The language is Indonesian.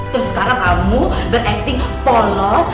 terus sekarang kamu beretik polos